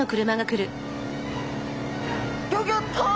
ギョギョッと！